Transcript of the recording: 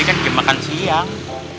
ini kan makan siang